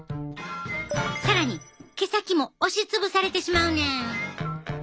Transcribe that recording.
更に毛先も押しつぶされてしまうねん。